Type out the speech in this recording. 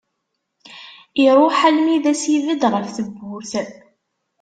Iruḥ almi i d as-ibed ɣef tewwurt.